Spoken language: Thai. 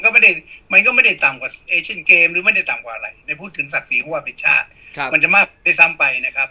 เพราะไม่พูดถึงศักดิ์ศรีห้วงเป็นชาติมันก็ไม่ให้ต่ำกวกมาเทศไทย